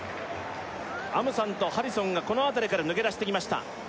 アムサンとハリソンがこのあたりから抜け出してきました